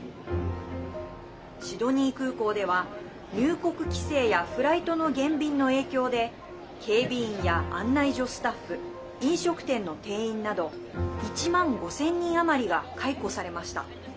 シドニー空港では、入国規制やフライトの減便の影響で警備員や案内所スタッフ飲食店の店員など１万５０００人余りが解雇されました。